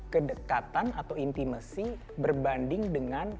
kedekatan atau intimacy berbanding dengan